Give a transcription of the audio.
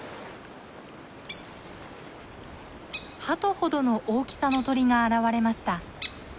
ハトほどの大きさの鳥が現れました。